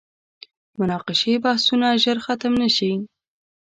مناقشې بحثونه ژر ختم نه شي.